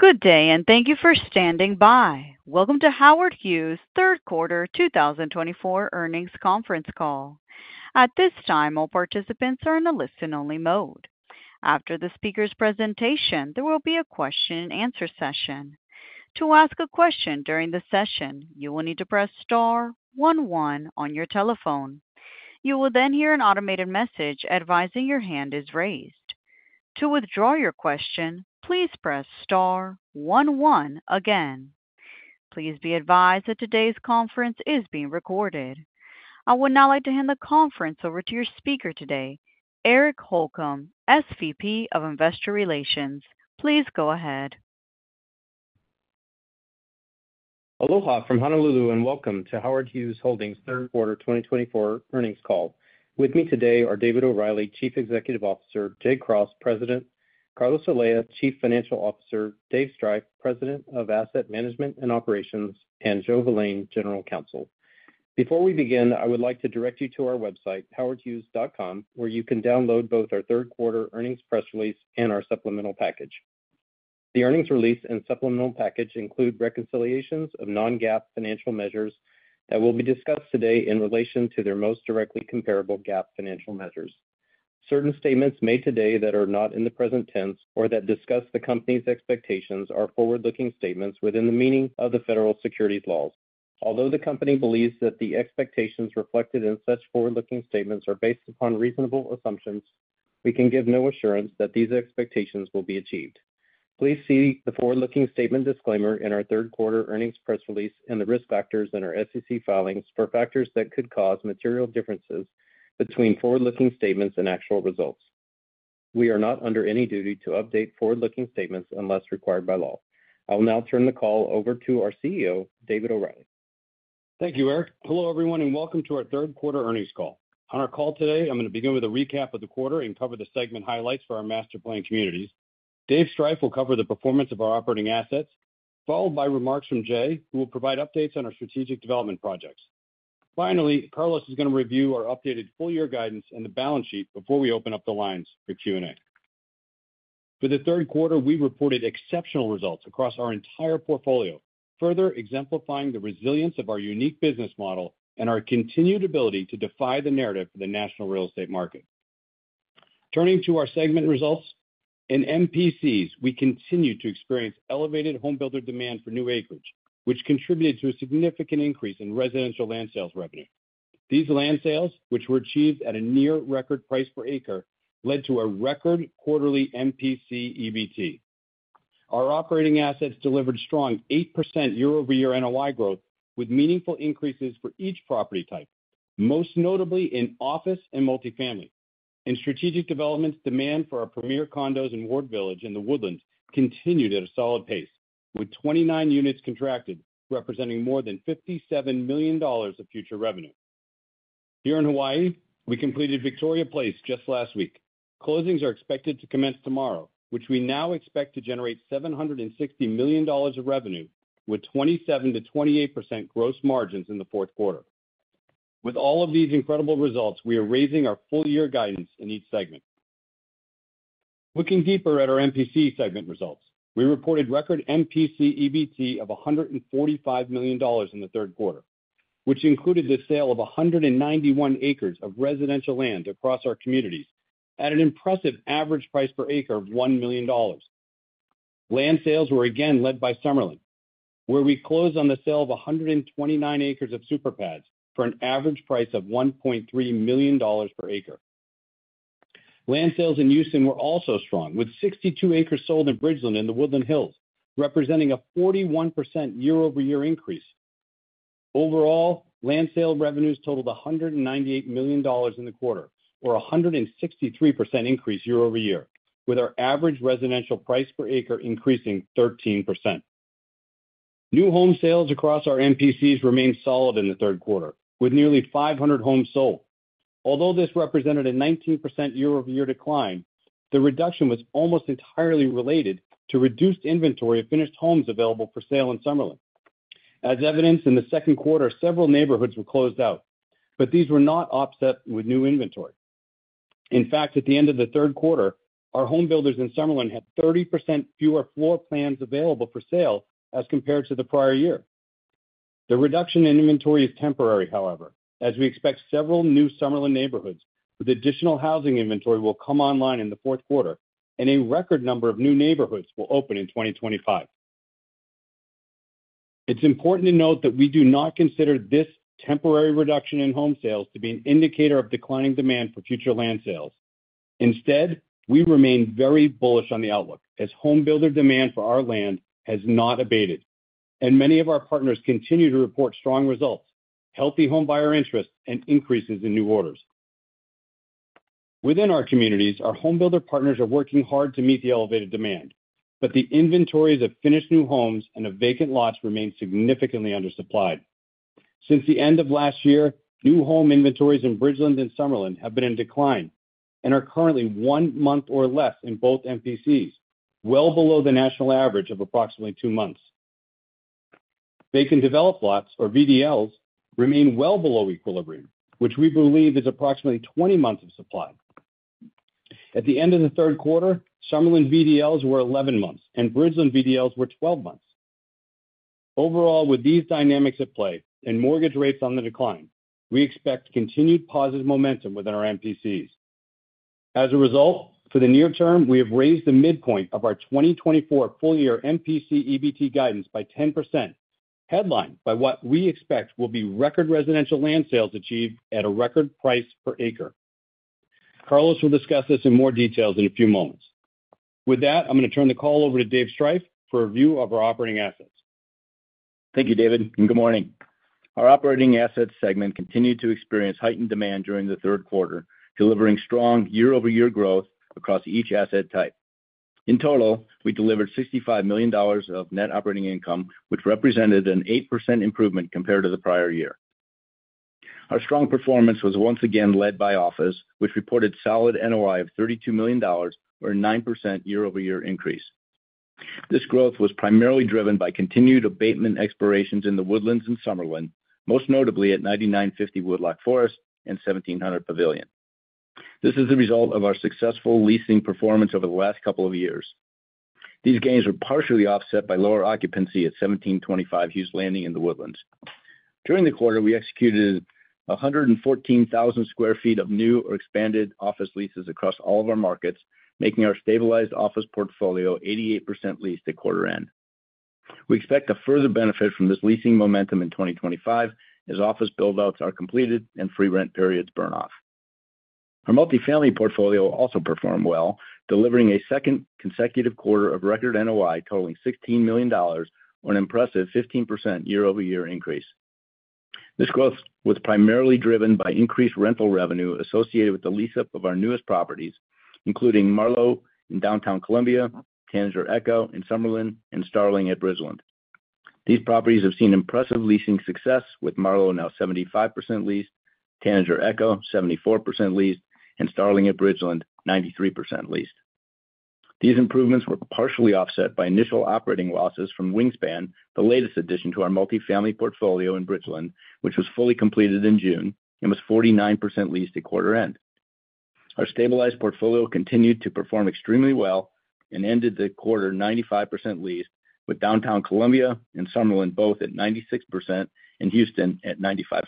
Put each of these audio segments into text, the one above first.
Good day, and thank you for standing by. Welcome to Howard Hughes' Third Quarter 2024 Earnings Conference Call. At this time, all participants are in a listen-only mode. After the speaker's presentation, there will be a question-and-answer session. To ask a question during the session, you will need to press star one one on your telephone. You will then hear an automated message advising your hand is raised. To withdraw your question, please press star one one again. Please be advised that today's conference is being recorded. I would now like to hand the conference over to your speaker today, Eric Holcomb, SVP of Investor Relations. Please go ahead. Aloha from Honolulu, and welcome to Howard Hughes Holdings third quarter 2024 earnings call. With me today are David O'Reilly, Chief Executive Officer, Jay Cross, President, Carlos Olea, Chief Financial Officer, Dave Striph, President of Asset Management and Operations, and Joe Valane, General Counsel. Before we begin, I would like to direct you to our website, howardhughes.com, where you can download both our third quarter earnings press release and our supplemental package. The earnings release and supplemental package include reconciliations of non-GAAP financial measures that will be discussed today in relation to their most directly comparable GAAP financial measures. Certain statements made today that are not in the present tense or that discuss the company's expectations are forward-looking statements within the meaning of the federal securities laws. Although the company believes that the expectations reflected in such forward-looking statements are based upon reasonable assumptions, we can give no assurance that these expectations will be achieved. Please see the forward-looking statement disclaimer in our third quarter earnings press release and the risk factors in our SEC filings for factors that could cause material differences between forward-looking statements and actual results. We are not under any duty to update forward-looking statements unless required by law. I will now turn the call over to our CEO, David O'Reilly. Thank you, Eric. Hello, everyone, and welcome to our third quarter earnings call. On our call today, I'm going to begin with a recap of the quarter and cover the segment highlights for our master planned communities. David Striph will cover the performance of our operating assets, followed by remarks from Jay, who will provide updates on our strategic development projects. Finally, Carlos is going to review our updated full-year guidance and the balance sheet before we open up the lines for Q&A. For the third quarter, we reported exceptional results across our entire portfolio, further exemplifying the resilience of our unique business model and our continued ability to defy the narrative for the national real estate market. Turning to our segment results, in MPCs, we continued to experience elevated homebuilder demand for new acreage, which contributed to a significant increase in residential land sales revenue. These land sales, which were achieved at a near-record price per acre, led to a record quarterly MPC EBT. Our operating assets delivered strong 8% year-over-year NOI growth, with meaningful increases for each property type, most notably in office and multifamily. In strategic developments, demand for our premier condos in Ward Village and The Woodlands continued at a solid pace, with 29 units contracted, representing more than $57 million of future revenue. Here in Hawaii, we completed Victoria Place just last week. Closings are expected to commence tomorrow, which we now expect to generate $760 million of revenue, with 27%-28% gross margins in the fourth quarter. With all of these incredible results, we are raising our full-year guidance in each segment. Looking deeper at our MPC segment results, we reported record MPC EBT of $145 million in the third quarter, which included the sale of 191 acres of residential land across our communities at an impressive average price per acre of $1 million. Land sales were again led by Summerlin, where we closed on the sale of 129 acres of superpads for an average price of $1.3 million per acre. Land sales in Houston were also strong, with 62 acres sold in Bridgeland and The Woodlands Hills, representing a 41% year-over-year increase. Overall, land sale revenues totaled $198 million in the quarter, or a 163% increase year-over-year, with our average residential price per acre increasing 13%. New home sales across our MPCs remained solid in the third quarter, with nearly 500 homes sold. Although this represented a 19% year-over-year decline, the reduction was almost entirely related to reduced inventory of finished homes available for sale in Summerlin. As evidenced in the second quarter, several neighborhoods were closed out, but these were not offset with new inventory. In fact, at the end of the third quarter, our homebuilders in Summerlin had 30% fewer floor plans available for sale as compared to the prior year. The reduction in inventory is temporary, however, as we expect several new Summerlin neighborhoods with additional housing inventory will come online in the fourth quarter, and a record number of new neighborhoods will open in 2025. It's important to note that we do not consider this temporary reduction in home sales to be an indicator of declining demand for future land sales. Instead, we remain very bullish on the outlook as homebuilder demand for our land has not abated, and many of our partners continue to report strong results, healthy home buyer interest, and increases in new orders. Within our communities, our homebuilder partners are working hard to meet the elevated demand, but the inventories of finished new homes and of vacant lots remain significantly undersupplied. Since the end of last year, new home inventories in Bridgeland and Summerlin have been in decline and are currently one month or less in both MPCs, well below the national average of approximately two months. Vacant developed lots, or VDLs, remain well below equilibrium, which we believe is approximately 20 months of supply. At the end of the third quarter, Summerlin VDLs were 11 months, and Bridgeland VDLs were 12 months. Overall, with these dynamics at play and mortgage rates on the decline, we expect continued positive momentum within our MPCs. As a result, for the near term, we have raised the midpoint of our 2024 full-year MPC EBT guidance by 10%, headlined by what we expect will be record residential land sales achieved at a record price per acre. Carlos will discuss this in more detail in a few moments. With that, I'm going to turn the call over to Dave Striph for a view of our operating assets. Thank you, David, and good morning. Our operating assets segment continued to experience heightened demand during the third quarter, delivering strong year-over-year growth across each asset type. In total, we delivered $65 million of net operating income, which represented an 8% improvement compared to the prior year. Our strong performance was once again led by office, which reported solid NOI of $32 million, or a 9% year-over-year increase. This growth was primarily driven by continued abatement expirations in The Woodlands and Summerlin, most notably at 9950 Woodloch Forest and 1700 Pavilion. This is the result of our successful leasing performance over the last couple of years. These gains were partially offset by lower occupancy at 1725 Hughes Landing in The Woodlands. During the quarter, we executed 114,000 sq ft of new or expanded office leases across all of our markets, making our stabilized office portfolio 88% leased at quarter end. We expect a further benefit from this leasing momentum in 2025 as office buildouts are completed and free rent periods burn off. Our multifamily portfolio also performed well, delivering a second consecutive quarter of record NOI totaling $16 million, or an impressive 15% year-over-year increase. This growth was primarily driven by increased rental revenue associated with the lease-up of our newest properties, including Marlowe in Downtown Columbia, Tanager Echo in Summerlin, and Starling at Bridgeland. These properties have seen impressive leasing success, with Marlowe now 75% leased, Tanager Echo 74% leased, and Starling at Bridgeland 93% leased. These improvements were partially offset by initial operating losses from Wingspan, the latest addition to our multifamily portfolio in Bridgeland, which was fully completed in June and was 49% leased at quarter end. Our stabilized portfolio continued to perform extremely well and ended the quarter 95% leased, with Downtown Columbia and Summerlin both at 96% and Houston at 95%.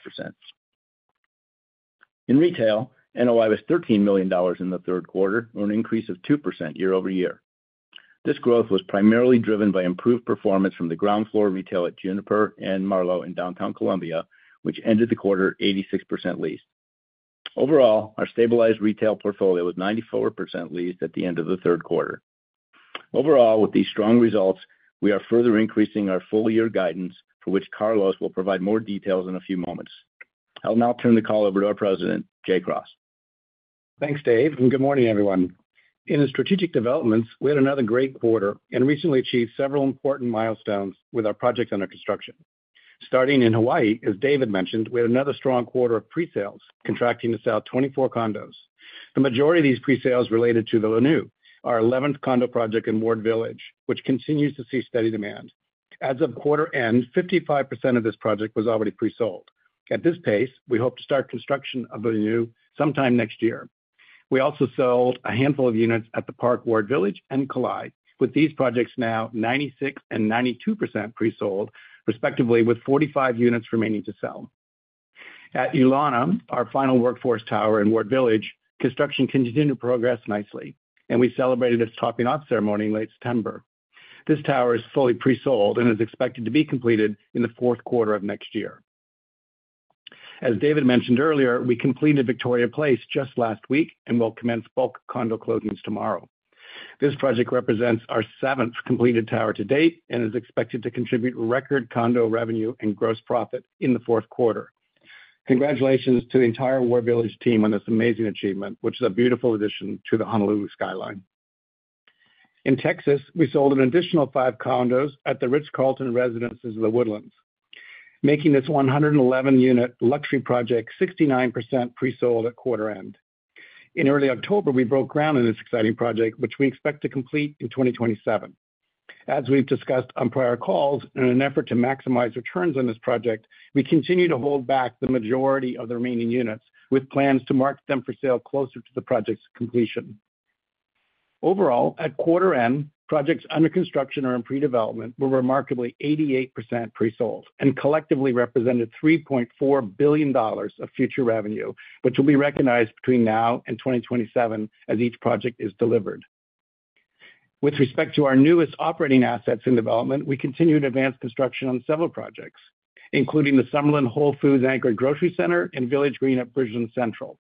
In retail, NOI was $13 million in the third quarter, or an increase of 2% year-over-year. This growth was primarily driven by improved performance from the ground floor retail at Juniper and Marlowe in Downtown Columbia, which ended the quarter 86% leased. Overall, our stabilized retail portfolio was 94% leased at the end of the third quarter. Overall, with these strong results, we are further increasing our full-year guidance, for which Carlos will provide more details in a few moments. I'll now turn the call over to our President, L. Jay Cross. Thanks, Dave, and good morning, everyone. In the strategic developments, we had another great quarter and recently achieved several important milestones with our projects under construction. Starting in Hawaii, as David mentioned, we had another strong quarter of pre-sales contracting to sell 24 condos. The majority of these pre-sales related to the Launiu, our 11th condo project in Ward Village, which continues to see steady demand. As of quarter end, 55% of this project was already pre-sold. At this pace, we hope to start construction of the Launiu sometime next year. We also sold a handful of units at The Park Ward Village and Kalae, with these projects now 96% and 92% pre-sold, respectively, with 45 units remaining to sell. At Ulana, our final workforce tower in Ward Village, construction continued to progress nicely, and we celebrated its topping-off ceremony in late September. This tower is fully pre-sold and is expected to be completed in the fourth quarter of next year. As David mentioned earlier, we completed Victoria Place just last week and will commence bulk condo closings tomorrow. This project represents our seventh completed tower to date and is expected to contribute record condo revenue and gross profit in the fourth quarter. Congratulations to the entire Ward Village team on this amazing achievement, which is a beautiful addition to the Honolulu skyline. In Texas, we sold an additional five condos at The Ritz-Carlton Residences in The Woodlands, making this 111-unit luxury project 69% pre-sold at quarter end. In early October, we broke ground on this exciting project, which we expect to complete in 2027. As we've discussed on prior calls, in an effort to maximize returns on this project, we continue to hold back the majority of the remaining units, with plans to mark them for sale closer to the project's completion. Overall, at quarter end, projects under construction or in pre-development were remarkably 88% pre-sold and collectively represented $3.4 billion of future revenue, which will be recognized between now and 2027 as each project is delivered. With respect to our newest operating assets in development, we continue to advance construction on several projects, including the Summerlin Whole Foods-anchored grocery center and Village Green at Bridgeland Central,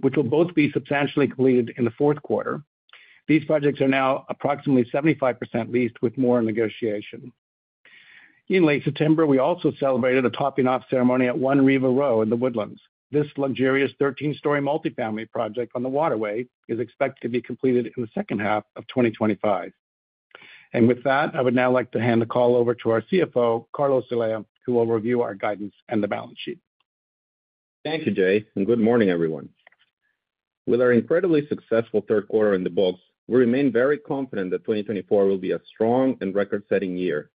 which will both be substantially completed in the fourth quarter. These projects are now approximately 75% leased, with more in negotiation. In late September, we also celebrated a topping-off ceremony at 1 Riva Row in The Woodlands. This luxurious 13-story multifamily project on the Waterway is expected to be completed in the second half of 2025. And with that, I would now like to hand the call over to our CFO, Carlos Olea, who will review our guidance and the balance sheet. Thank you, Jay, and good morning, everyone. With our incredibly successful third quarter in the books, we remain very confident that 2024 will be a strong and record-setting year.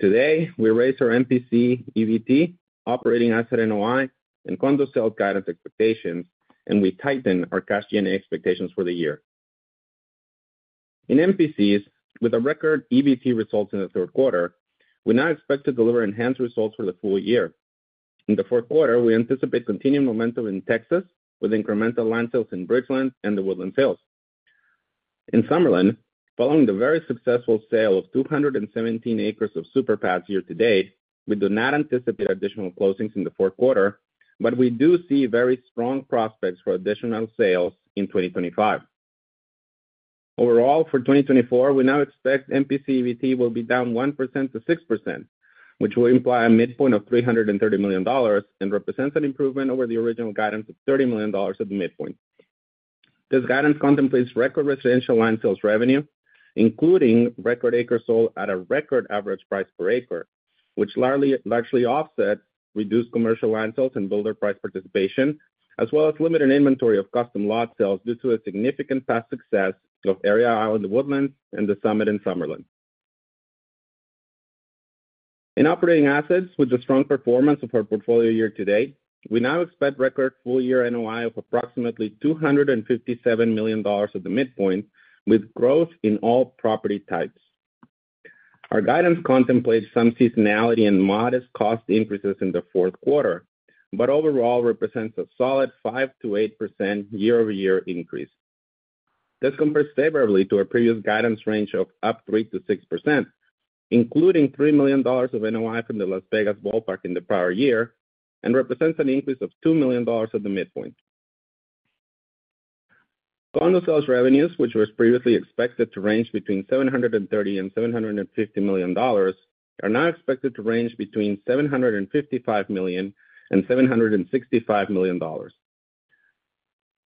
Today, we raised our MPC EBT, operating asset NOI, and condo sales guidance expectations, and we tightened our cash G&A expectations for the year. In MPCs, with a record EBT result in the third quarter, we now expect to deliver enhanced results for the full year. In the fourth quarter, we anticipate continued momentum in Texas, with incremental land sales in Bridgeland and The Woodlands sales. In Summerlin, following the very successful sale of 217 acres of Super Pads year to date, we do not anticipate additional closings in the fourth quarter, but we do see very strong prospects for additional sales in 2025. Overall, for 2024, we now expect MPC EBT will be down 1%-6%, which will imply a midpoint of $330 million and represents an improvement over the original guidance of $30 million at the midpoint. This guidance contemplates record residential land sales revenue, including record acres sold at a record average price per acre, which largely offsets reduced commercial land sales and builder price participation, as well as limited inventory of custom lot sales due to the significant past success of our land in The Woodlands and the Summit in Summerlin. In operating assets, with the strong performance of our portfolio year to date, we now expect record full-year NOI of approximately $257 million at the midpoint, with growth in all property types. Our guidance contemplates some seasonality and modest cost increases in the fourth quarter, but overall represents a solid 5%-8% year-over-year increase. This compares favorably to our previous guidance range of up 3%-6%, including $3 million of NOI from the Las Vegas Ballpark in the prior year, and represents an increase of $2 million at the midpoint. Condo sales revenues, which were previously expected to range between $730 million and $750 million, are now expected to range between $755 million and $765 million.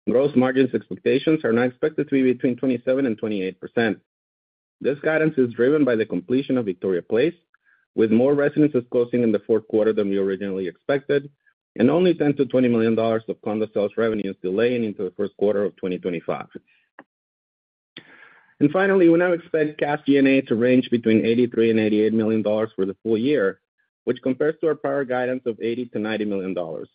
Gross margins expectations are now expected to be between 27% and 28%. This guidance is driven by the completion of Victoria Place, with more residences closing in the fourth quarter than we originally expected, and only $10 million-$20 million of condo sales revenues delaying into the first quarter of 2025. And finally, we now expect cash G&A to range between $83 million and $88 million for the full year, which compares to our prior guidance of $80 million-$90 million.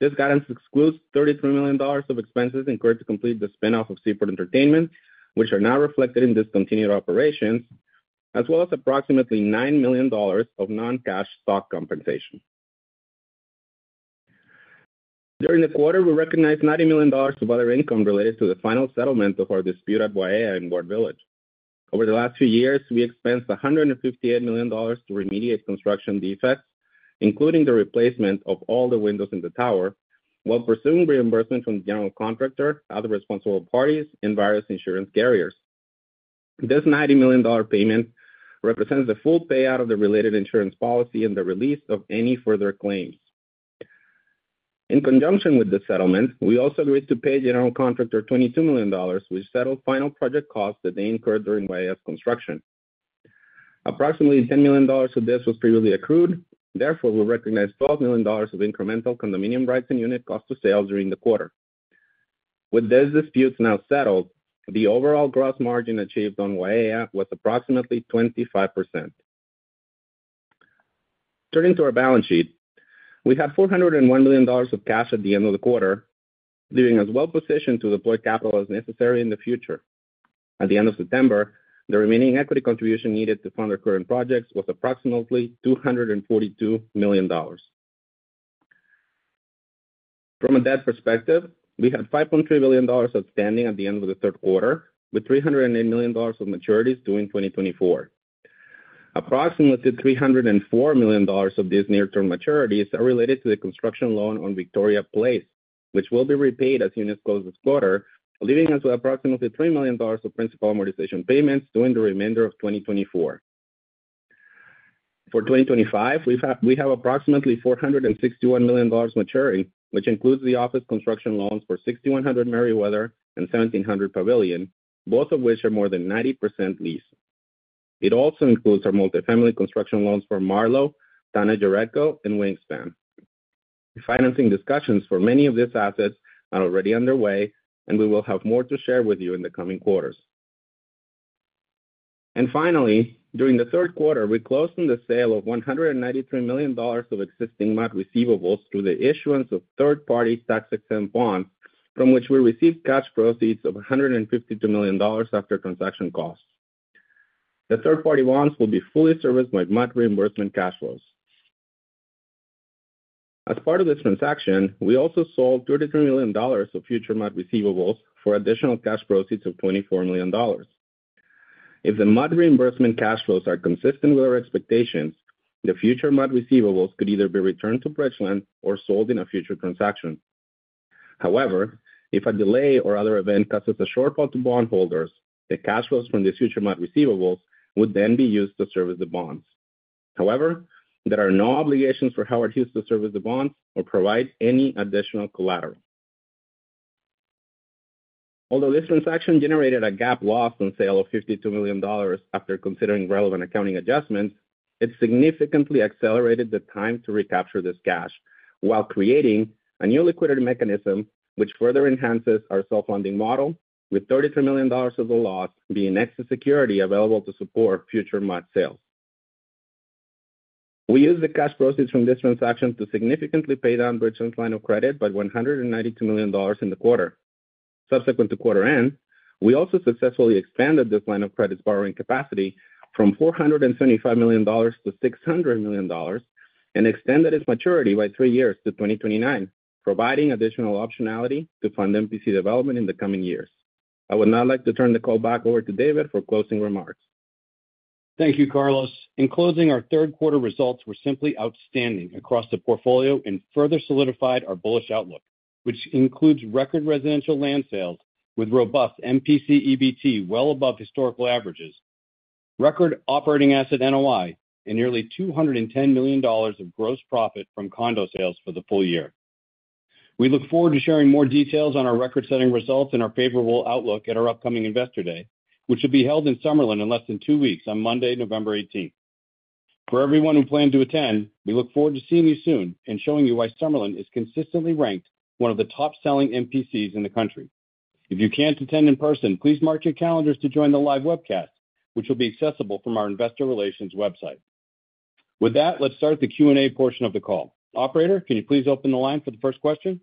This guidance excludes $33 million of expenses incurred to complete the spinoff of Seaport Entertainment, which are now reflected in discontinued operations, as well as approximately $9 million of non-cash stock compensation. During the quarter, we recognized $90 million of other income related to the final settlement of our dispute at Waiea in Ward Village. Over the last few years, we expensed $158 million to remediate construction defects, including the replacement of all the windows in the tower, while pursuing reimbursement from the general contractor, other responsible parties, and various insurance carriers. This $90 million payment represents the full payout of the related insurance policy and the release of any further claims. In conjunction with this settlement, we also agreed to pay general contractor $22 million, which settled final project costs that they incurred during Waiea's construction. Approximately $10 million of this was previously accrued. Therefore, we recognized $12 million of incremental condominium rights and unit cost to sales during the quarter. With these disputes now settled, the overall gross margin achieved on Waiea was approximately 25%. Turning to our balance sheet, we had $401 million of cash at the end of the quarter, leaving us well-positioned to deploy capital as necessary in the future. At the end of September, the remaining equity contribution needed to fund our current projects was approximately $242 million. From a debt perspective, we had $5.3 billion outstanding at the end of the third quarter, with $308 million of maturities due in 2024. Approximately $304 million of these near-term maturities are related to the construction loan on Victoria Place, which will be repaid as units close this quarter, leaving us with approximately $3 million of principal amortization payments due in the remainder of 2024. For 2025, we have approximately $461 million maturing, which includes the office construction loans for 6100 Merriweather and 1700 Pavilion, both of which are more than 90% leased. It also includes our multifamily construction loans for Marlowe, Tanager Echo, and Wingspan. Financing discussions for many of these assets are already underway, and we will have more to share with you in the coming quarters. And finally, during the third quarter, we closed on the sale of $193 million of existing MUD receivables through the issuance of third-party tax-exempt bonds, from which we received cash proceeds of $152 million after transaction costs. The third-party bonds will be fully serviced by MUD reimbursement cash flows. As part of this transaction, we also sold $33 million of future MUD receivables for additional cash proceeds of $24 million. If the MUD reimbursement cash flows are consistent with our expectations, the future MUD receivables could either be returned to Bridgeland or sold in a future transaction. However, if a delay or other event causes a shortfall to bondholders, the cash flows from these future MUD receivables would then be used to service the bonds. However, there are no obligations for Howard Hughes to service the bonds or provide any additional collateral. Although this transaction generated a gap loss on sale of $52 million after considering relevant accounting adjustments, it significantly accelerated the time to recapture this cash while creating a new liquidity mechanism, which further enhances our self-funding model, with $33 million of the loss being excess security available to support future MUD sales. We used the cash proceeds from this transaction to significantly pay down Bridgeland's line of credit by $192 million in the quarter. Subsequent to quarter end, we also successfully expanded this line of credit's borrowing capacity from $475 million-$600 million and extended its maturity by three years to 2029, providing additional optionality to fund MPC development in the coming years. I would now like to turn the call back over to David for closing remarks. Thank you, Carlos. In closing, our third-quarter results were simply outstanding across the portfolio and further solidified our bullish outlook, which includes record residential land sales with robust MPC EBT well above historical averages, record operating asset NOI, and nearly $210 million of gross profit from condo sales for the full year. We look forward to sharing more details on our record-setting results and our favorable outlook at our upcoming Investor Day, which will be held in Summerlin in less than two weeks on Monday, November 18. For everyone who planned to attend, we look forward to seeing you soon and showing you why Summerlin is consistently ranked one of the top-selling MPCs in the country. If you can't attend in person, please mark your calendars to join the live webcast, which will be accessible from our Investor Relations website. With that, let's start the Q&A portion of the call. Operator, can you please open the line for the first question?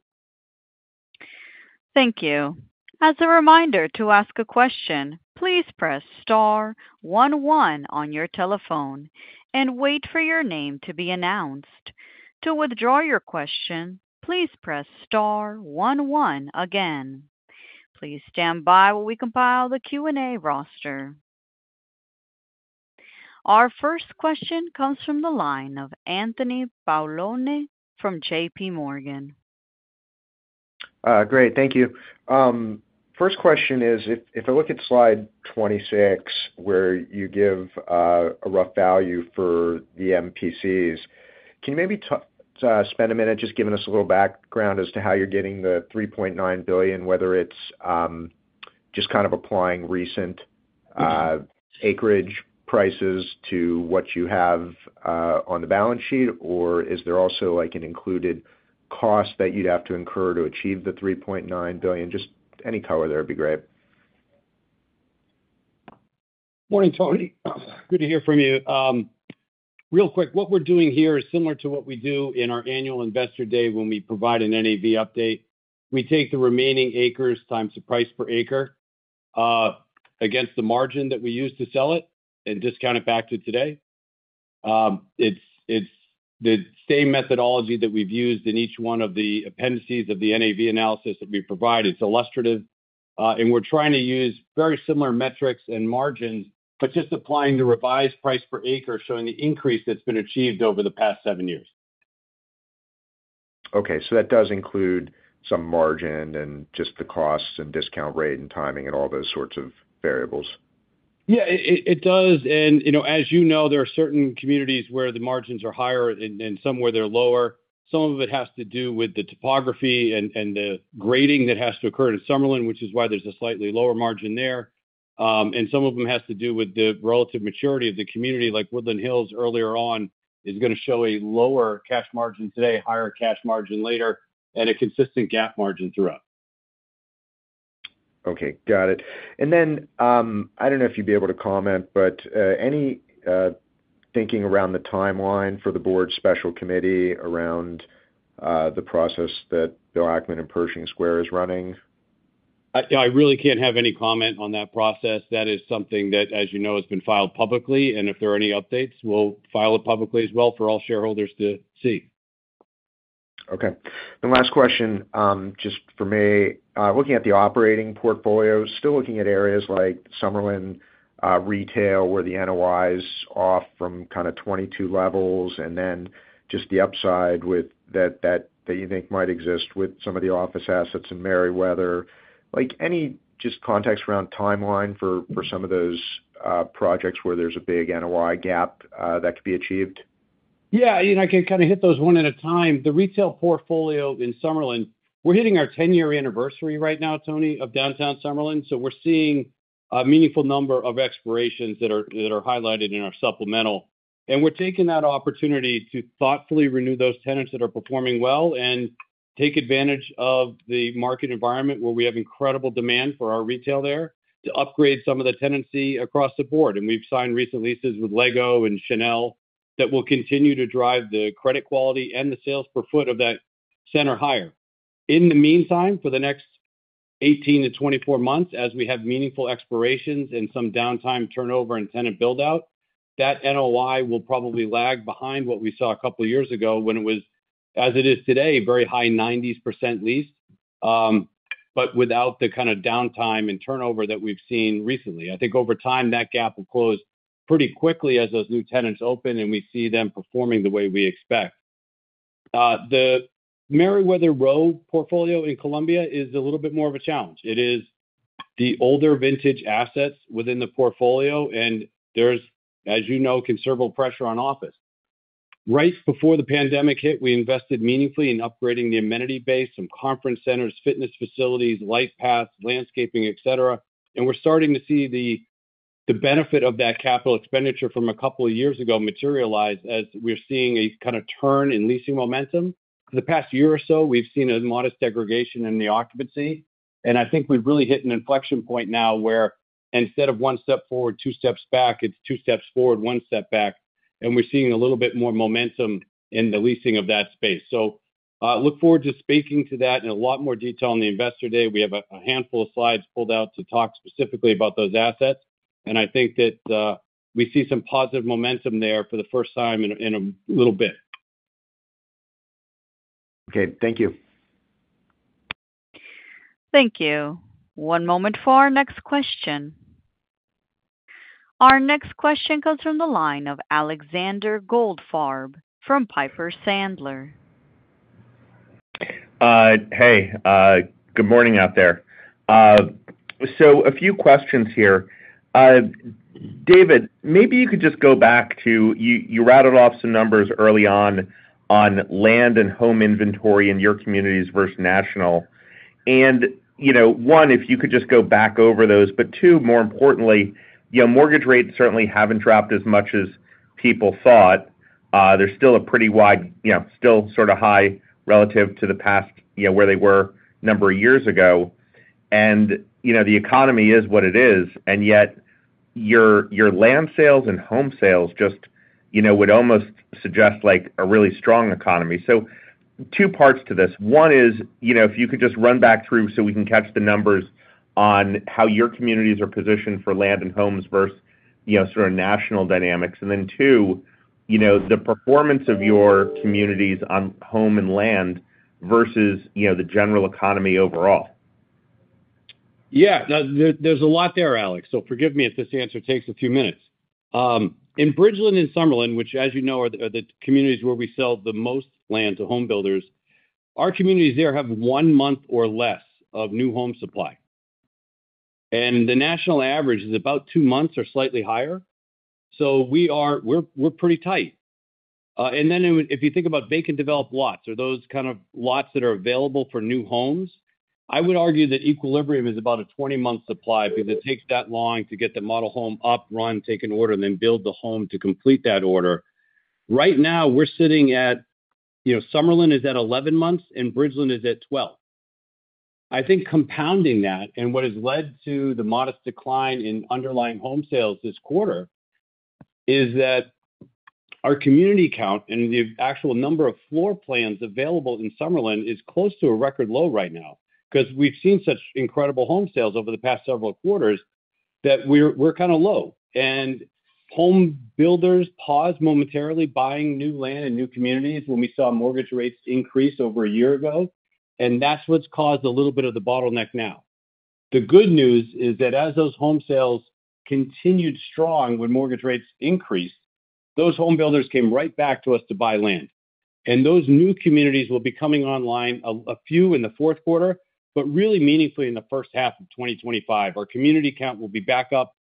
Thank you. As a reminder to ask a question, please press star one one on your telephone and wait for your name to be announced. To withdraw your question, please press star one one again. Please stand by while we compile the Q&A roster. Our first question comes from the line of Anthony Paolone from J.P. Morgan. Great. Thank you. First question is, if I look at slide 26, where you give a rough value for the MPCs, can you maybe spend a minute just giving us a little background as to how you're getting the $3.9 billion, whether it's just kind of applying recent acreage prices to what you have on the balance sheet, or is there also an included cost that you'd have to incur to achieve the $3.9 billion? Just any color there would be great. Morning, Anthony. Good to hear from you. Real quick, what we're doing here is similar to what we do in our annual Investor Day when we provide an NAV update. We take the remaining acres times the price per acre against the margin that we used to sell it and discount it back to today. It's the same methodology that we've used in each one of the appendices of the NAV analysis that we provide. It's illustrative, and we're trying to use very similar metrics and margins, but just applying the revised price per acre, showing the increase that's been achieved over the past seven years. That does include some margin and just the costs and discount rate and timing and all those sorts of variables. Yeah, it does. And as you know, there are certain communities where the margins are higher and some where they're lower. Some of it has to do with the topography and the grading that has to occur in Summerlin, which is why there's a slightly lower margin there. And some of them has to do with the relative maturity of the community, like The Woodlands Hills earlier on, is going to show a lower cash margin today, higher cash margin later, and a consistent gap margin throughout. Okay. Got it. And then I don't know if you'd be able to comment, but any thinking around the timeline for the board special committee around the process that Bill Ackman and Pershing Square is running? I really can't have any comment on that process. That is something that, as you know, has been filed publicly, and if there are any updates, we'll file it publicly as well for all shareholders to see. Okay, and last question just for me. Looking at the operating portfolio, still looking at areas like Summerlin retail where the NOIs off from kind of 22 levels, and then just the upside that you think might exist with some of the office assets in Merriweather. Any just context around timeline for some of those projects where there's a big NOI gap that could be achieved? Yeah. I can kind of hit those one at a time. The retail portfolio in Summerlin, we're hitting our 10-year anniversary right now, Tony, of downtown Summerlin. So we're seeing a meaningful number of expirations that are highlighted in our supplemental. And we're taking that opportunity to thoughtfully renew those tenants that are performing well and take advantage of the market environment where we have incredible demand for our retail there to upgrade some of the tenancy across the board. And we've signed recent leases with LEGO and Chanel that will continue to drive the credit quality and the sales per foot of that center higher. In the meantime, for the next 18 months-24 months, as we have meaningful expirations and some downtime turnover and tenant build-out, that NOI will probably lag behind what we saw a couple of years ago when it was, as it is today, very high 90% leased, but without the kind of downtime and turnover that we've seen recently. I think over time, that gap will close pretty quickly as those new tenants open and we see them performing the way we expect. The Merriweather, our portfolio in Columbia is a little bit more of a challenge. It is the older vintage assets within the portfolio, and there's, as you know, considerable pressure on office. Right before the pandemic hit, we invested meaningfully in upgrading the amenity base from conference centers, fitness facilities, bike paths, landscaping, etc. And we're starting to see the benefit of that capital expenditure from a couple of years ago materialize as we're seeing a kind of turn in leasing momentum. For the past year or so, we've seen a modest degradation in the occupancy. And I think we've really hit an inflection point now where instead of one step forward, two steps back, it's two steps forward, one step back. And we're seeing a little bit more momentum in the leasing of that space. So look forward to speaking to that in a lot more detail on the Investor Day. We have a handful of slides pulled out to talk specifically about those assets. And I think that we see some positive momentum there for the first time in a little bit. Okay. Thank you. Thank you. One moment for our next question. Our next question comes from the line of Alexander Goldfarb from Piper Sandler. Hey. Good morning out there. So a few questions here. David, maybe you could just go back to you rattled off some numbers early on on land and home inventory in your communities versus national. And one, if you could just go back over those. But two, more importantly, mortgage rates certainly haven't dropped as much as people thought. There's still a pretty wide, still sort of high relative to the past where they were a number of years ago. And the economy is what it is. And yet your land sales and home sales just would almost suggest a really strong economy. So two parts to this. One is if you could just run back through so we can catch the numbers on how your communities are positioned for land and homes versus sort of national dynamics. And then, two, the performance of your communities on home and land versus the general economy overall. Yeah. There's a lot there, Alex. So forgive me if this answer takes a few minutes. In Bridgeland and Summerlin, which, as you know, are the communities where we sell the most land to home builders, our communities there have one month or less of new home supply. And the national average is about two months or slightly higher. So we're pretty tight. And then if you think about vacant developed lots, or those kind of lots that are available for new homes, I would argue that equilibrium is about a 20-month supply because it takes that long to get the model home up, run, take an order, and then build the home to complete that order. Right now, we're sitting at Summerlin is at 11 months and Bridgeland is at 12. I think compounding that and what has led to the modest decline in underlying home sales this quarter is that our community count and the actual number of floor plans available in Summerlin is close to a record low right now because we've seen such incredible home sales over the past several quarters that we're kind of low, and home builders paused momentarily buying new land in new communities when we saw mortgage rates increase over a year ago, and that's what's caused a little bit of the bottleneck now. The good news is that as those home sales continued strong when mortgage rates increased, those home builders came right back to us to buy land, and those new communities will be coming online, a few in the fourth quarter, but really meaningfully in the first half of 2025. Our community count will be back up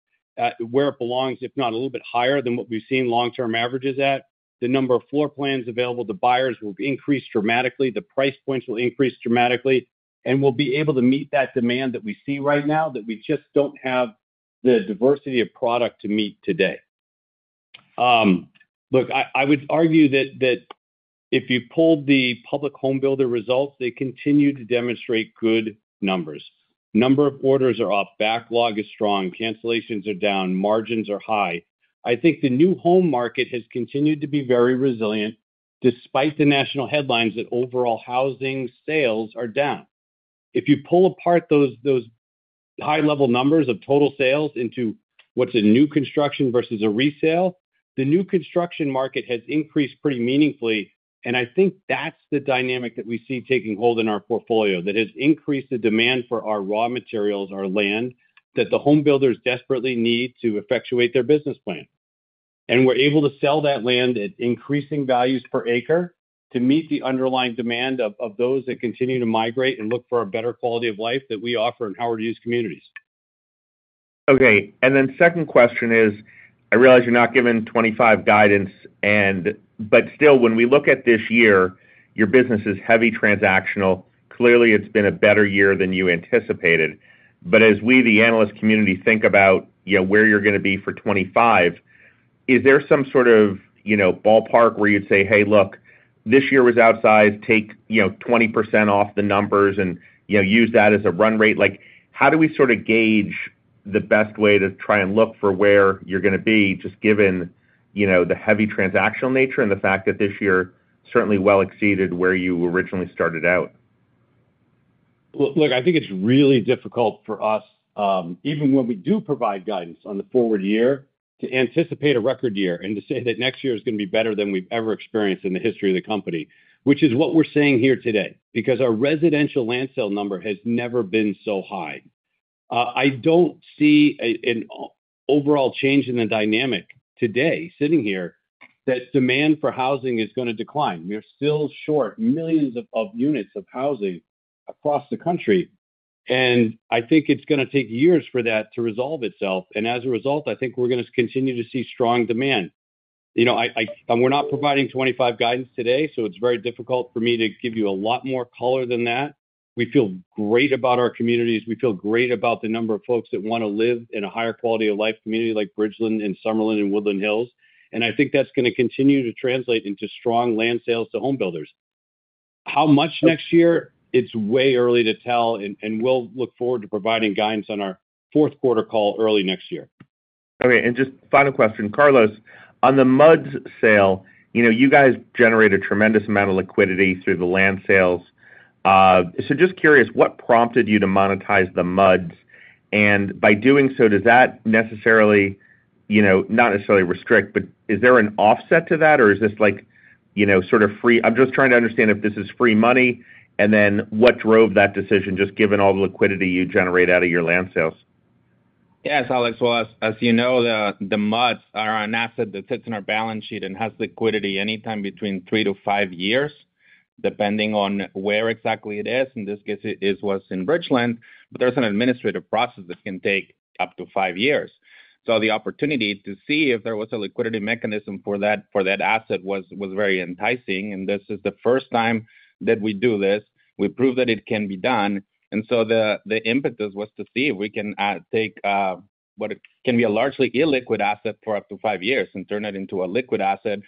where it belongs, if not a little bit higher than what we've seen long-term averages at. The number of floor plans available to buyers will increase dramatically. The price points will increase dramatically, and we'll be able to meet that demand that we see right now that we just don't have the diversity of product to meet today. Look, I would argue that if you pulled the public home builder results, they continue to demonstrate good numbers. Number of orders are off backlog is strong. Cancellations are down. Margins are high. I think the new home market has continued to be very resilient despite the national headlines that overall housing sales are down. If you pull apart those high-level numbers of total sales into what's a new construction versus a resale, the new construction market has increased pretty meaningfully. And I think that's the dynamic that we see taking hold in our portfolio that has increased the demand for our raw materials, our land, that the home builders desperately need to effectuate their business plan. And we're able to sell that land at increasing values per acre to meet the underlying demand of those that continue to migrate and look for a better quality of life that we offer in Howard Hughes communities. Okay. And then second question is, I realize you're not given 2025 guidance, but still, when we look at this year, your business is heavy transactional. Clearly, it's been a better year than you anticipated. But as we, the analyst community, think about where you're going to be for 2025, is there some sort of ballpark where you'd say, "Hey, look, this year was outsized. Take 20% off the numbers and use that as a run rate"? How do we sort of gauge the best way to try and look for where you're going to be just given the heavy transactional nature and the fact that this year certainly well exceeded where you originally started out? Look, I think it's really difficult for us, even when we do provide guidance on the forward year, to anticipate a record year and to say that next year is going to be better than we've ever experienced in the history of the company, which is what we're seeing here today because our residential land sale number has never been so high. I don't see an overall change in the dynamic today sitting here that demand for housing is going to decline. We're still short millions of units of housing across the country. And I think it's going to take years for that to resolve itself. And as a result, I think we're going to continue to see strong demand. We're not providing 2025 guidance today, so it's very difficult for me to give you a lot more color than that. We feel great about our communities. We feel great about the number of folks that want to live in a higher quality of life community like Bridgeland and Summerlin and Woodlands Hills. And I think that's going to continue to translate into strong land sales to home builders. How much next year? It's way early to tell. And we'll look forward to providing guidance on our fourth quarter call early next year. Okay. And just final question, Carlos, on the MUD sale, you guys generate a tremendous amount of liquidity through the land sales. So just curious, what prompted you to monetize the MUDs? And by doing so, does that necessarily restrict, but is there an offset to that, or is this sort of free? I'm just trying to understand if this is free money and then what drove that decision just given all the liquidity you generate out of your land sales. Yes, Alex. Well, as you know, the MUDs are an asset that sits in our balance sheet and has liquidity anytime between three to five years, depending on where exactly it is. In this case, it is what's in Bridgeland. But there's an administrative process that can take up to five years. So the opportunity to see if there was a liquidity mechanism for that asset was very enticing. And this is the first time that we do this. We prove that it can be done. And so the impetus was to see if we can take what can be a largely illiquid asset for up to five years and turn it into a liquid asset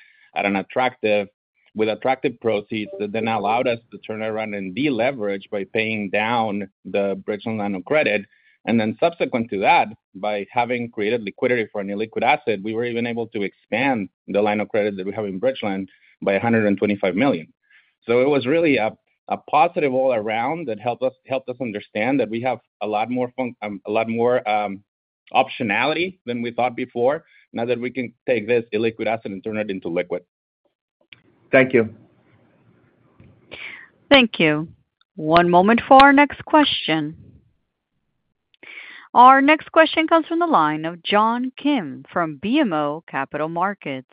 with attractive proceeds that then allowed us to turn it around and deleverage by paying down the Bridgeland line of credit. Then, subsequent to that, by having created liquidity for an illiquid asset, we were even able to expand the line of credit that we have in Bridgeland by $125 million. It was really a positive all around that helped us understand that we have a lot more optionality than we thought before. Now that we can take this illiquid asset and turn it into liquid. Thank you. Thank you. One moment for our next question. Our next question comes from the line of John Kim from BMO Capital Markets.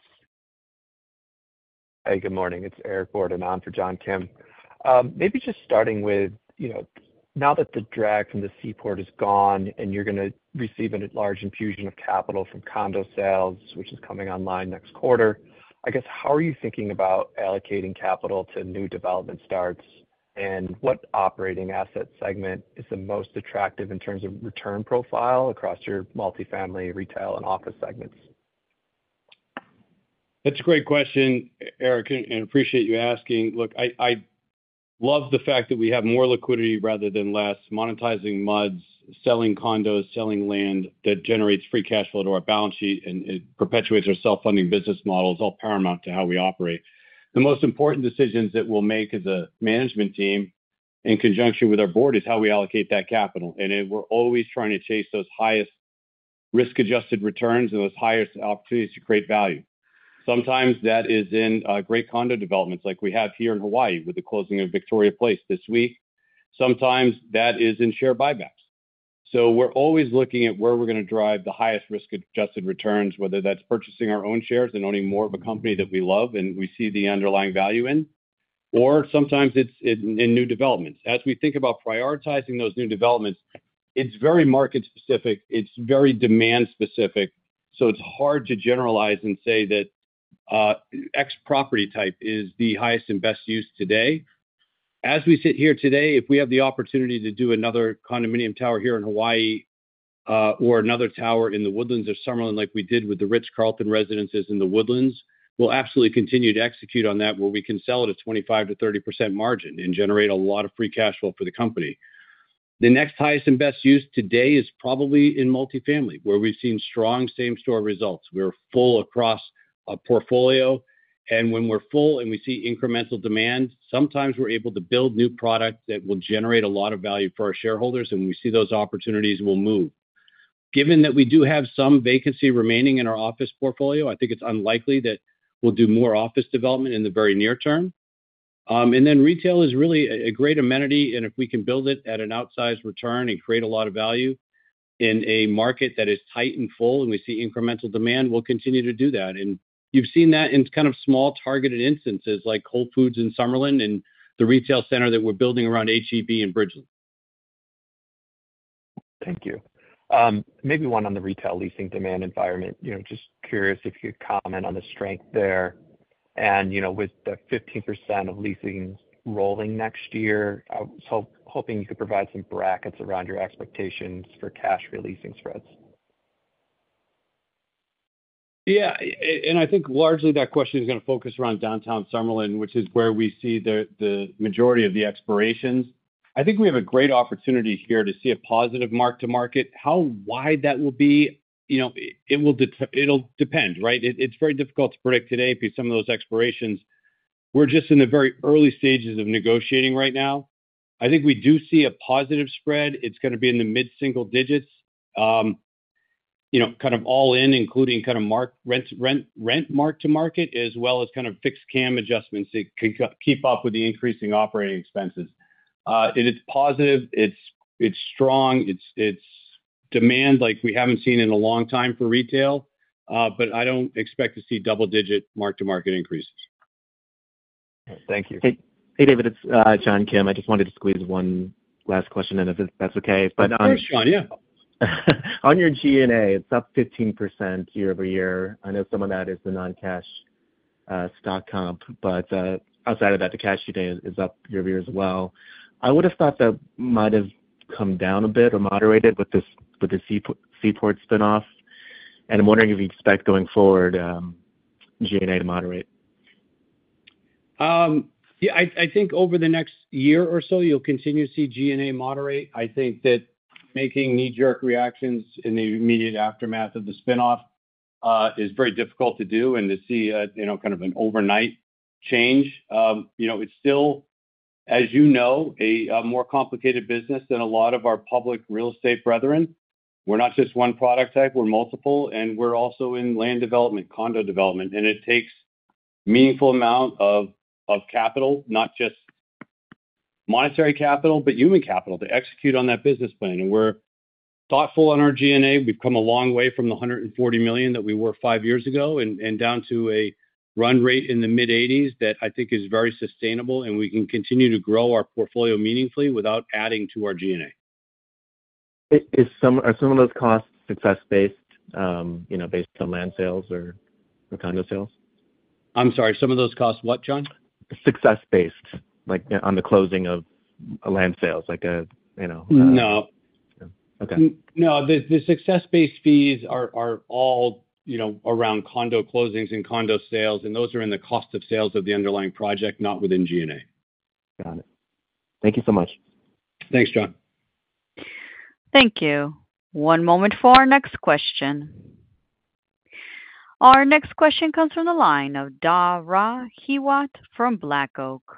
Hey, good morning. It's Eric Borden on for John Kim. Maybe just starting with now that the drag from the seaport is gone and you're going to receive a large infusion of capital from condo sales, which is coming online next quarter, I guess, how are you thinking about allocating capital to new development starts? And what operating asset segment is the most attractive in terms of return profile across your multifamily, retail, and office segments? That's a great question, Eric, and appreciate you asking. Look, I love the fact that we have more liquidity rather than less, monetizing MUDs, selling condos, selling land that generates free cash flow to our balance sheet and perpetuates our self-funding business models, all paramount to how we operate. The most important decisions that we'll make as a management team in conjunction with our board is how we allocate that capital, and we're always trying to chase those highest risk-adjusted returns and those highest opportunities to create value. Sometimes that is in great condo developments like we have here in Hawaii with the closing of Victoria Place this week. Sometimes that is in share buybacks. So we're always looking at where we're going to drive the highest risk-adjusted returns, whether that's purchasing our own shares and owning more of a company that we love and we see the underlying value in, or sometimes it's in new developments. As we think about prioritizing those new developments, it's very market-specific. It's very demand-specific. So it's hard to generalize and say that X property type is the highest and best use today. As we sit here today, if we have the opportunity to do another condominium tower here in Hawaii or another tower in The Woodlands or Summerlin like we did with the Ritz-Carlton Residences in The Woodlands, we'll absolutely continue to execute on that where we can sell at a 25%-30% margin and generate a lot of free cash flow for the company. The next highest and best use today is probably in multifamily, where we've seen strong same-store results. We're full across a portfolio, and when we're full and we see incremental demand, sometimes we're able to build new products that will generate a lot of value for our shareholders, and when we see those opportunities, we'll move. Given that we do have some vacancy remaining in our office portfolio, I think it's unlikely that we'll do more office development in the very near term, and then retail is really a great amenity, and if we can build it at an outsized return and create a lot of value in a market that is tight and full and we see incremental demand, we'll continue to do that. You've seen that in kind of small targeted instances like Whole Foods in Summerlin and the retail center that we're building around H-E-B in Bridgeland. Thank you. Maybe one on the retail leasing demand environment. Just curious if you could comment on the strength there. And with the 15% of leasings rolling next year, I was hoping you could provide some brackets around your expectations for cash releasing spreads. Yeah. And I think largely that question is going to focus around Downtown Summerlin, which is where we see the majority of the expirations. I think we have a great opportunity here to see a positive mark-to-market. How wide that will be, it will depend, right? It's very difficult to predict today because some of those expirations, we're just in the very early stages of negotiating right now. I think we do see a positive spread. It's going to be in the mid-single digits, kind of all in, including kind of rent mark-to-market, as well as kind of fixed CAM adjustments that can keep up with the increasing operating expenses. It is positive. It's strong. It's demand like we haven't seen in a long time for retail. But I don't expect to see double-digit mark-to-market increases. Thank you. Hey, David, it's John Kim. I just wanted to squeeze one last question, and if that's okay. Of course, John, yeah. On your G&A, it's up 15% year-over-year. I know some of that is the non-cash stock comp, but outside of that, the cash G&A is up year-over-year as well. I would have thought that might have come down a bit or moderated with the Seaport spinoff, and I'm wondering if you expect going forward G&A to moderate. Yeah. I think over the next year or so, you'll continue to see G&A moderate. I think that making knee-jerk reactions in the immediate aftermath of the spinoff is very difficult to do and to see kind of an overnight change. It's still, as you know, a more complicated business than a lot of our public real estate brethren. We're not just one product type. We're multiple. And we're also in land development, condo development. And it takes a meaningful amount of capital, not just monetary capital, but human capital to execute on that business plan. And we're thoughtful on our G&A. We've come a long way from the $140 million that we were five years ago and down to a run rate in the mid-$80s that I think is very sustainable. And we can continue to grow our portfolio meaningfully without adding to our G&A. Are some of those costs success-based on land sales or condo sales? I'm sorry. Some of those costs what, John? based on the closing of land sales, like a. No. Okay. No, the success-based fees are all around condo closings and condo sales, and those are in the cost of sales of the underlying project, not within G&A. Got it. Thank you so much. Thanks, John. Thank you. One moment for our next question. Our next question comes from the line of Dara Hewat from Black Oak.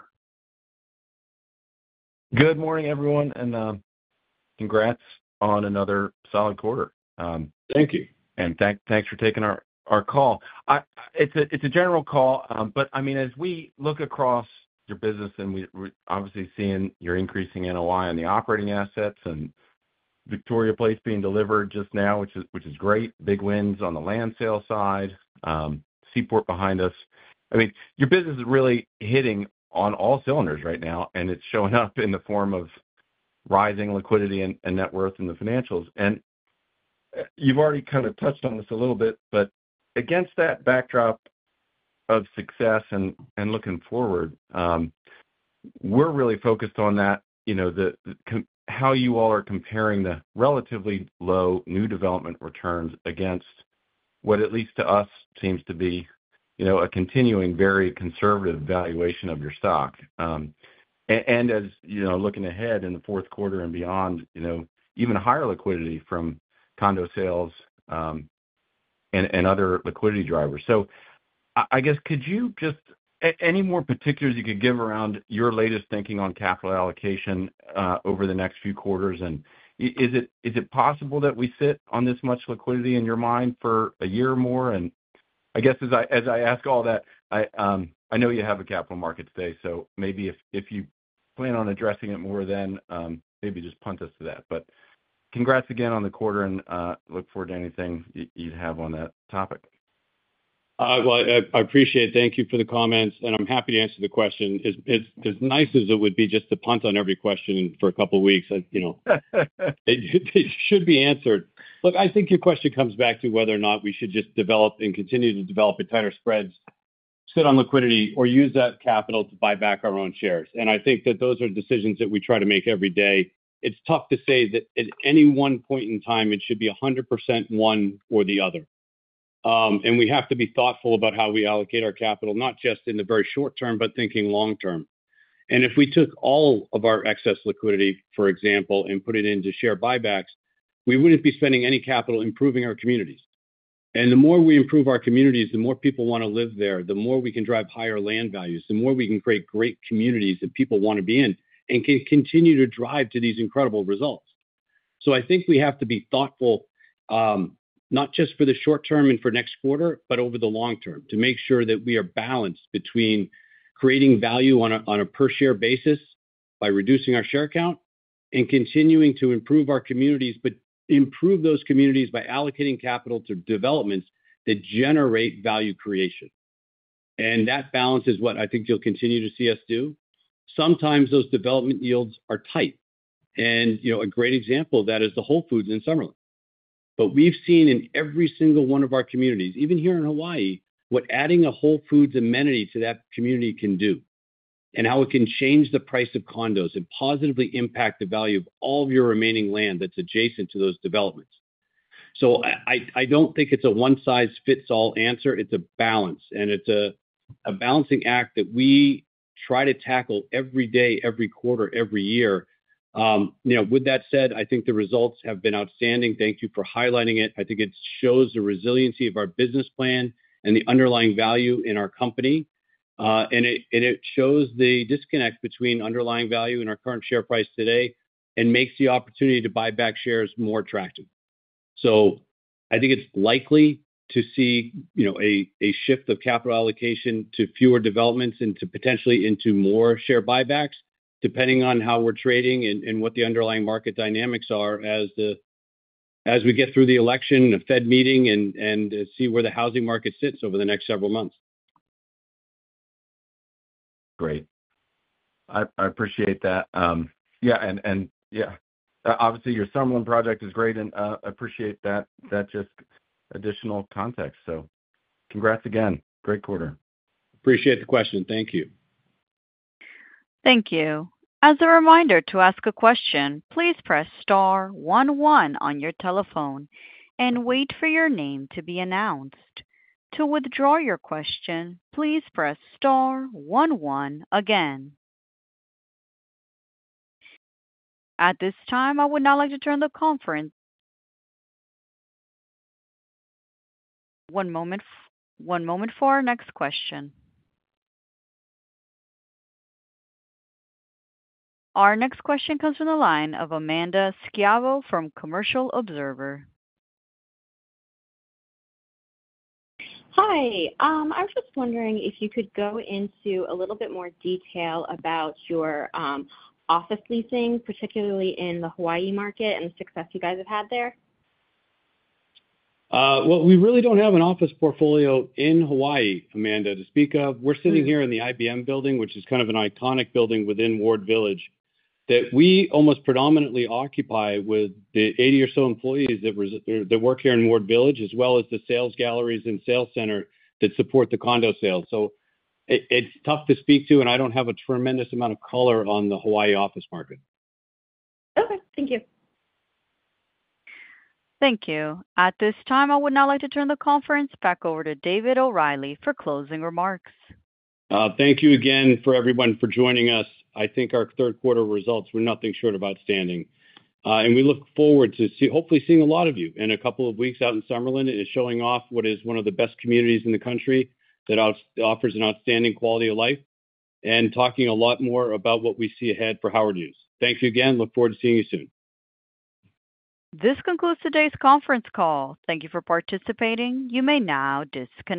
Good morning, everyone, and congrats on another solid quarter. Thank you. Thanks for taking our call. It's a general call. I mean, as we look across your business, and we're obviously seeing your increasing NOI on the operating assets and Victoria Place being delivered just now, which is great, big wins on the land sale side, Seaport behind us. I mean, your business is really hitting on all cylinders right now. It's showing up in the form of rising liquidity and net worth in the financials. You've already kind of touched on this a little bit. Against that backdrop of success and looking forward, we're really focused on that, how you all are comparing the relatively low new development returns against what, at least to us, seems to be a continuing very conservative valuation of your stock. As looking ahead in the fourth quarter and beyond, even higher liquidity from condo sales and other liquidity drivers. I guess, could you just any more particulars you could give around your latest thinking on capital allocation over the next few quarters? Is it possible that we sit on this much liquidity in your mind for a year or more? I guess as I ask all that, I know you have a capital markets day, so maybe if you plan on addressing it more then, maybe just punt us to that. Congrats again on the quarter, and look forward to anything you'd have on that topic. I appreciate it. Thank you for the comments. I'm happy to answer the question. As nice as it would be just to punt on every question for a couple of weeks, they should be answered. Look, I think your question comes back to whether or not we should just develop and continue to develop at tighter spreads, sit on liquidity, or use that capital to buy back our own shares. I think that those are decisions that we try to make every day. It's tough to say that at any one point in time, it should be 100% one or the other. We have to be thoughtful about how we allocate our capital, not just in the very short term, but thinking long term. And if we took all of our excess liquidity, for example, and put it into share buybacks, we wouldn't be spending any capital improving our communities. And the more we improve our communities, the more people want to live there, the more we can drive higher land values, the more we can create great communities that people want to be in, and can continue to drive to these incredible results. So I think we have to be thoughtful not just for the short term and for next quarter, but over the long term to make sure that we are balanced between creating value on a per-share basis by reducing our share count and continuing to improve our communities, but improve those communities by allocating capital to developments that generate value creation. And that balance is what I think you'll continue to see us do. Sometimes those development yields are tight. And a great example of that is the Whole Foods in Summerlin. But we've seen in every single one of our communities, even here in Hawaii, what adding a Whole Foods amenity to that community can do and how it can change the price of condos and positively impact the value of all of your remaining land that's adjacent to those developments. So I don't think it's a one-size-fits-all answer. It's a balance. And it's a balancing act that we try to tackle every day, every quarter, every year. With that said, I think the results have been outstanding. Thank you for highlighting it. I think it shows the resiliency of our business plan and the underlying value in our company. And it shows the disconnect between underlying value and our current share price today and makes the opportunity to buy back shares more attractive. I think it's likely to see a shift of capital allocation to fewer developments and potentially into more share buybacks, depending on how we're trading and what the underlying market dynamics are as we get through the election and a Fed meeting and see where the housing market sits over the next several months. Great. I appreciate that. Yeah. And yeah, obviously, your Summerlin project is great. And I appreciate that just additional context. So congrats again. Great quarter. Appreciate the question. Thank you. Thank you. As a reminder to ask a question, please press star one one on your telephone and wait for your name to be announced. To withdraw your question, please press star one one again. At this time, I would like to turn the conference over. One moment for our next question. Our next question comes from the line of Amanda Schiavo from Commercial Observer. Hi. I was just wondering if you could go into a little bit more detail about your office leasing, particularly in the Hawaii market and the success you guys have had there? We really don't have an office portfolio in Hawaii, Amanda, to speak of. We're sitting here in the IBM Building, which is kind of an iconic building within Ward Village that we almost predominantly occupy with the 80 or so employees that work here in Ward Village, as well as the sales galleries and sales center that support the condo sales. It's tough to speak to, and I don't have a tremendous amount of color on the Hawaii office market. Okay. Thank you. Thank you. At this time, I would not like to turn the conference back over to David O'Reilly for closing remarks. Thank you again for everyone for joining us. I think our third quarter results were nothing short of outstanding, and we look forward to hopefully seeing a lot of you in a couple of weeks out in Summerlin. It is showing off what is one of the best communities in the country that offers an outstanding quality of life and talking a lot more about what we see ahead for Howard Hughes. Thank you again. Look forward to seeing you soon. This concludes today's conference call. Thank you for participating. You may now disconnect.